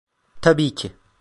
Tabii ki.